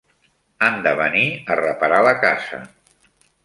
Han de venir a reparar la casa.